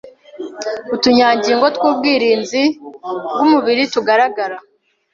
utunyangingo tw'ubwirinzi bw'umubiri tugaragara